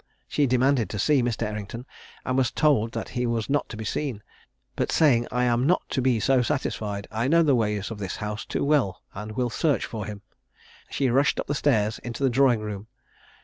She demanded to see Mr. Errington, and was told that he was not to be seen, but saying "I am not to be so satisfied; I know the ways of this house too well, and will search for him:" she rushed up stairs into the drawing room.